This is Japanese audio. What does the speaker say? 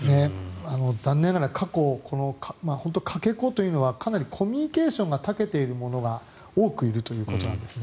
残念ながらかけ子というのはかなりコミュニケーションに長けている者が多くいるということなんですね。